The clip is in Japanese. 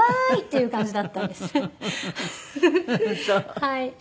はい。